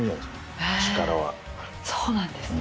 そうなんですね。